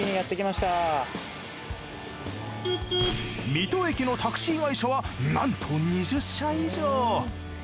水戸駅のタクシー会社はなんと２０社以上。